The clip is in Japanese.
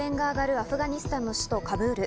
アフガニスタンの首都・カブール。